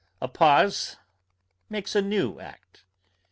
A pause makes a new act.